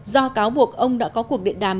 do cáo buộc ông đã có cuộc điện đàm